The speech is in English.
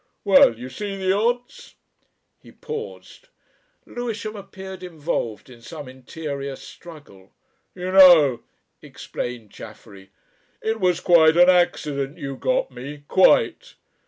Well you see the odds?" He paused. Lewisham appeared involved in some interior struggle. "You know," explained Chaffery, "it was quite an accident you got me quite.